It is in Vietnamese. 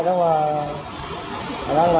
nhưng mà khả năng là đóng cửa